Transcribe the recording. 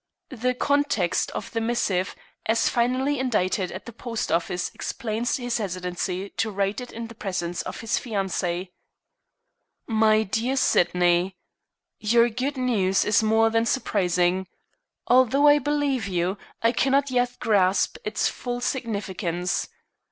The context of the missive, as finally indited at the post office, explains his hesitancy to write it in the presence of his fiancée. "My dear Sydney, Your good news is more than surprising. Although I believe you, I cannot yet grasp its full significance.